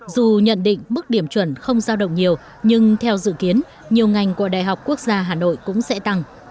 dù nhận định mức điểm chuẩn không giao động nhiều nhưng theo dự kiến nhiều ngành của đại học quốc gia hà nội cũng sẽ tăng